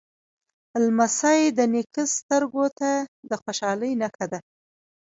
لمسی د نیکه سترګو ته د خوشحالۍ نښه ده.